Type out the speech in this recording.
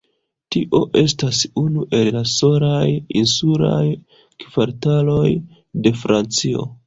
Tio estas unu el la solaj insulaj kvartaloj de Francio.